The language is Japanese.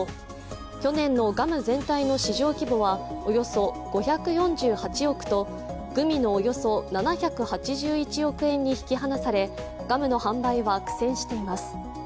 去年のガム全体の市場規模はおよそ５４８億と、グミのおよそ７８１億円に引き離されガムの販売は苦戦しています。